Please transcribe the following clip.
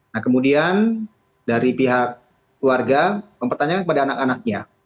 nah kemudian dari pihak keluarga mempertanyakan kepada anak anaknya